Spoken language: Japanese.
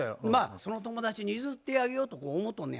その友達に譲ってあげようとこう思うとんねやな。